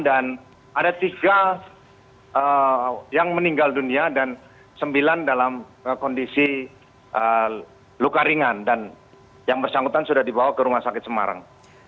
dan ada tiga yang meninggal dunia dan sembilan dalam kondisi luka ringan dan yang bersangkutan sudah dibawa ke rumah sakit semarang